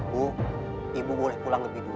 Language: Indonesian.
bu ibu boleh pulang lebih dulu